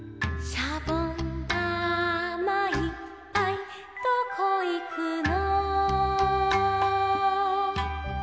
「しゃぼんだまいっぱいどこいくの」